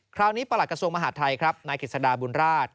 คราวนี้ประหลักกระทรวงมหาดไทยครับนายกิจสดาบุญราช